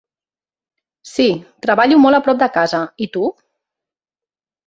Sí, treballo molt a prop de casa. I tu?